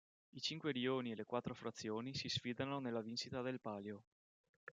I cinque rioni e le quattro frazioni si sfidano nella vincita del palio.